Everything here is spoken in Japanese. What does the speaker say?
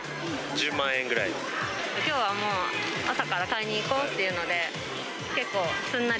きょうはもう、朝から買いに行こうっていうので、結構すんなり。